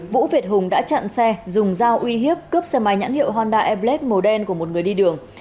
vũ việt hùng đã chặn xe dùng dao uy hiếp cướp xe máy nhãn hiệu honda ebles màu đen của một người đi đường